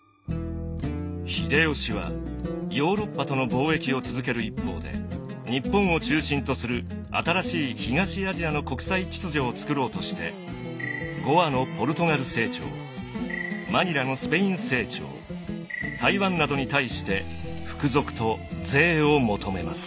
秀吉はヨーロッパとの貿易を続ける一方で日本を中心とする新しい東アジアの国際秩序をつくろうとしてゴアのポルトガル政庁マニラのスペイン政庁台湾などに対して服属と税を求めます。